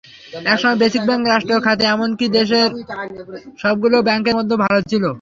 একসময় basic bank রাষ্ট্র খাতের এমনকি দেশের সবগুলো ব্যাংকের মধ্যে ভালো ছিল।